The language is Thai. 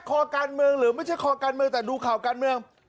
คอการเมืองหรือไม่ใช่คอการเมืองแต่ดูข่าวการเมือง